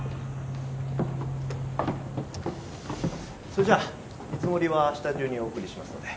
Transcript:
それじゃあ見積もりは明日中にお送りしますので。